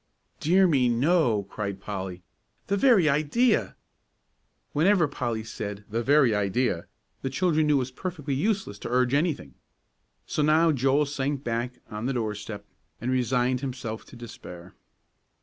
"Dear me, no," cried Polly. "The very idea!" Whenever Polly said, "The very idea!" the children knew it was perfectly useless to urge anything. So now Joel sank back on the doorstep and resigned himself to despair.